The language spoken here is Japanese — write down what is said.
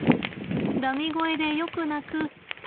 ダミ声でよく鳴くタマ。